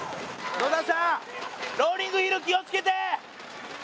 野田さん、ローリングヒル気をつけて。